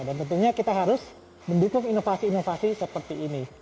dan tentunya kita harus mendukung inovasi inovasi seperti ini